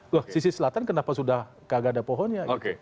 loh sisi selatan kenapa sudah kagak ada pohonnya gitu